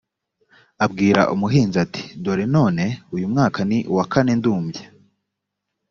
abwira umuhinzi ati dore none uyu mwaka ni uwa kane ndumbya